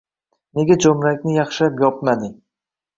Nega joʻmrakni yaxshilab yopmading.